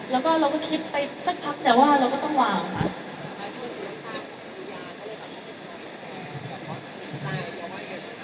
แล้วก็เราก็คิดไปสักพักแต่ว่าเราก็ต้องวางครับ